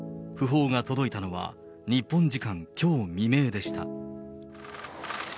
訃報が届いたのは日本時間きょう未明でした。